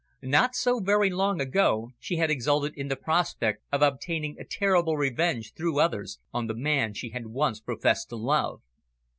Not so very long ago, she had exulted in the prospect of obtaining a terrible revenge, through others, on the man she had once professed to love.